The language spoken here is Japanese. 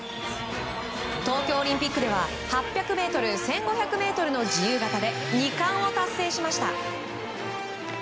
東京オリンピックでは８００ｍ、１５００ｍの自由形で２冠を達成しました。